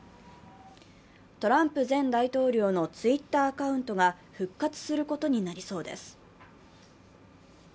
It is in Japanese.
トランプ前大統領のＴｗｉｔｔｅｒアカウントが復活することになりそうです。